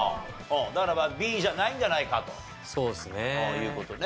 だからＢじゃないんじゃないかという事ね。